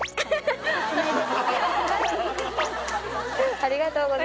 ありがとうございます